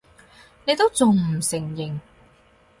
你都仲唔承認！